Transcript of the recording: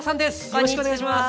よろしくお願いします。